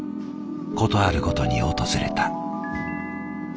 事あるごとに訪れた。